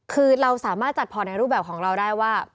คือเราสามารถจัดพอร์ตในรูปแบบของเราได้ว่า